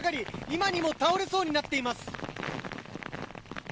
今にも倒れそうになっています。